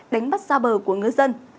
đánh bắt xa bờ của ngứa dân